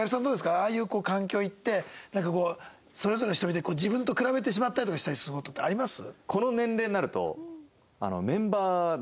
ああいう環境行ってなんかこうそれぞれの人見て自分と比べてしまったりとかしたりする事ってあります？